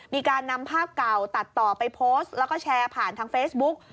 มีการนำภาพเก่าตัดต่อไปโพสต์แล้วก็แชร์ผ่านทางเฟซบุ๊ก